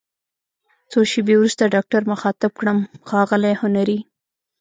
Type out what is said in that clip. څو شیبې وروسته ډاکټر مخاطب کړم: ښاغلی هنري!